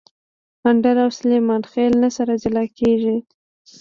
اندړ او سلیمان خېل نه سره جلاکیږي